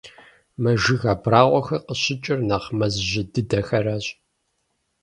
Мы жыг абрагъуэхэр къыщыкӀыр нэхъ мэз жьы дыдэхэращ.